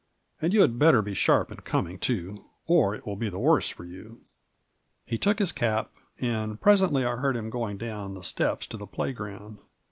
And you had better be sharp in coming, too, or it will be the worse for you." He took his cap, and presently I heard him going down the steps to the play ground.